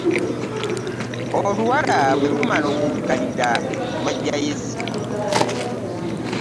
Oluwala bwe lumala okukkalira, lwaggyayo essimu.